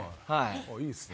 いいですね。